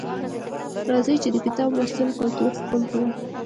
راځئ چې د کتاب لوستلو کلتور خپل کړو